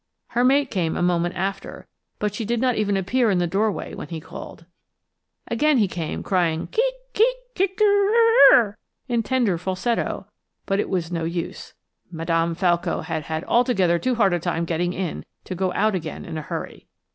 Her mate came a moment after, but she did not even appear in the doorway when he called. Again he came, crying keek' keek' kick er' r' r', in tender falsetto; but it was no use. Madame Falco had had altogether too hard a time getting in, to go out again in a hurry.